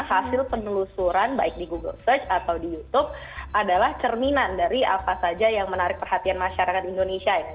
hasil penelusuran baik di google search atau di youtube adalah cerminan dari apa saja yang menarik perhatian masyarakat indonesia